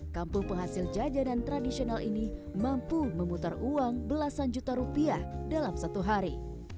kampung penghasil jajanan tradisional ini mampu memutar uang belasan juta rupiah dalam satu hari